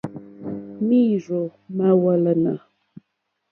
Mǐīrzɔ̀ má hwàlánà.